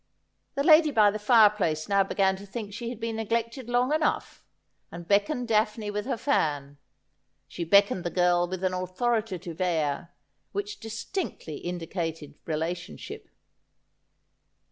The lady by the fire place now began to think she had been neglected long enough, and beckoned Daphne with her fan. She beckoned the girl with an authoritative air which distinctly indicated relationship.